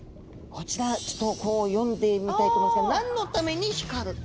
ちょっとこう読んでみたいと思うんですけども「なんのために光る？」。